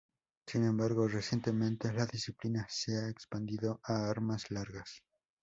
Sin embargo, recientemente la disciplina se ha expandido a armas largas.